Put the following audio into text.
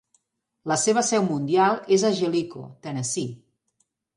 La seva seu mundial és a Jellico, Tennessee.